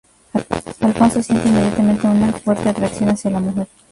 Alfonso siente inmediatamente una fuerte atracción hacia la mujer.